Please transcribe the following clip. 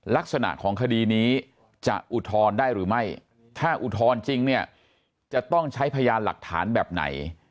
ลักษณะของคดีนี้จะอุทธรณ์ได้หรือไม่ถ้าอุทธรณ์จริงเนี่ยจะต้องใช้พยานหลักฐานแบบไหน